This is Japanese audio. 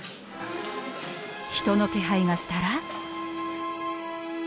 人の気配がしたら。